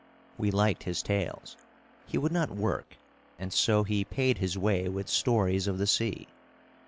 We liked his tales. He would not work, and so he paid his way with stories of the sea.